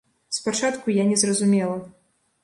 Спачатку я не зразумела.